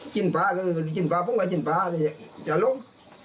จิ้นฟ้าผมก็จิ้นฟ้าแต่อย่าลง